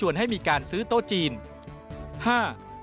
๕เงินจากการรับบริจาคจากบุคคลหรือนิติบุคคล